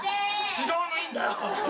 違うのいいんだよ！